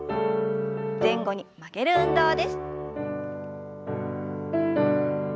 前後に曲げる運動です。